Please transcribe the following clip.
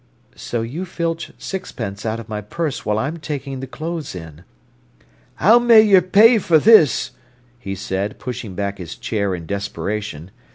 "So you filch sixpence out of my purse while I'm taking the clothes in." "I'll may yer pay for this," he said, pushing back his chair in desperation.